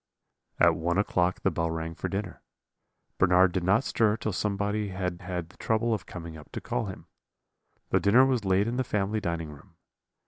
"At one o'clock the bell rang for dinner. Bernard did not stir till somebody had had the trouble of coming up to call him. The dinner was laid in the family dining room.